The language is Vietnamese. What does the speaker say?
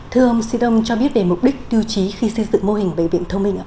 thưa ông xin ông cho biết về mục đích tiêu chí khi xây dựng